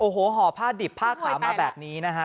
โอ้โหห่อผ้าดิบผ้าขาวมาแบบนี้นะฮะ